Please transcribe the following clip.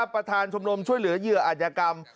ประธานชมรมช่วยเหลือเหยื่ออาจยกรรม